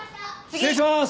失礼します！